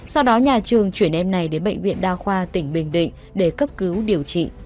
sau đó nhà trường chuyển em này đến bệnh viện đa khoa tỉnh bình định để cấp cứu điều trị